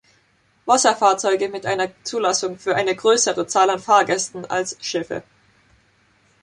Wasserfahrzeuge mit einer Zulassung für eine größere Zahl an Fahrgästen als "Schiffe".